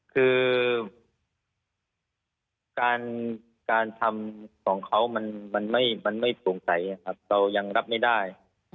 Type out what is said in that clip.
คือการทำของเขามันไม่สงสัยครับเรายังรับไม่ได้